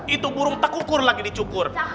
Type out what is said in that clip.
itu burung tekukur lagi dicukur